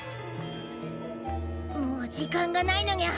もう時間がないのにゃ！